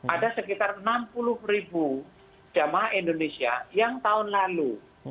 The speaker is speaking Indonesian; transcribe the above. ada sekitar enam puluh ribu jamaah indonesia yang tahun lalu